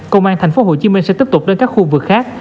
công an tp hcm sẽ tiếp tục đến các khu vực khác